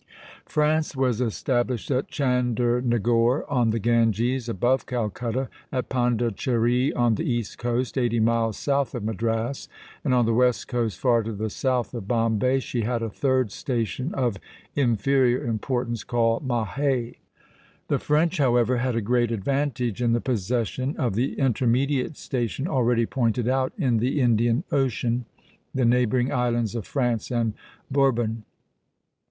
France was established at Chandernagore, on the Ganges, above Calcutta; at Pondicherry, on the east coast, eighty miles south of Madras; and on the west coast, far to the south of Bombay, she had a third station of inferior importance, called Mahé. The French, however, had a great advantage in the possession of the intermediate station already pointed out in the Indian Ocean, the neighboring islands of France and Bourbon.